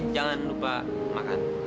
jangan lupa makan